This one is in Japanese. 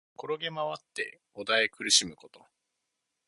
転げまわって悶え苦しむこと。